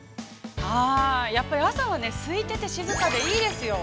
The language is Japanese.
◆やっぱり朝はね空いてて静かでいいですよ。